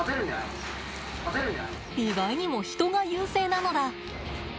意外にもヒトが優勢なのだ。